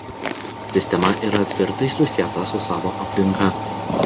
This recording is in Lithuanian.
Sistema yra tvirtai susieta su savo aplinka.